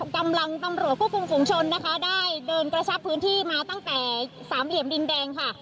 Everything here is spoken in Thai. กำลังตำรวจควบคุมฝุงชนนะคะได้เดินกระชับพื้นที่มาตั้งแต่สามเหลี่ยมดินแดงค่ะ